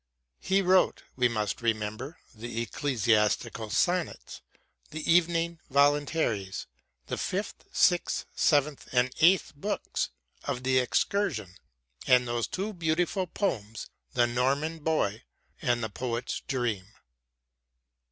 He wrote, we must remember, the Ecclesiastical Sonnets, the Evening Voluntaries, the fifth, sixth, seventh and eighth books of the " Excursion," and those two beautiful poems the " Norman Boy " and the "Poet's Dream."